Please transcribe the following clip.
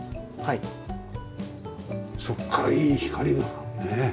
そこからいい光がねえ。